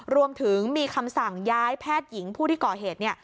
รวมถึงมีคำสั่งย้ายแพทย์หญิงผู้ที่ก่อเหตุเนี่ย